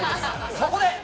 そこで。